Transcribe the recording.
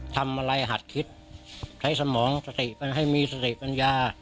ทำอะไรหัดคิดใช้สมองสติมันให้มีสติปัญญา